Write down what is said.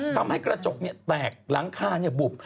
ทำให้กระจกแตกหลังคาบุบ